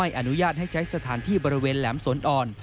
อนุญาตให้ใช้สถานที่บริเวณแหลมสวนอ่อน